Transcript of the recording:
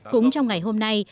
cũng trong ngày hôm nay